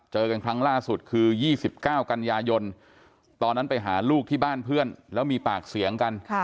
เจอกันครั้งล่าสุดคือ๒๙กันยายนตอนนั้นไปหาลูกที่บ้านเพื่อนแล้วมีปากเสียงกัน